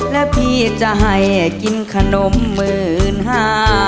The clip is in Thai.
และพี่จะให้กินขนมหมื่นห้า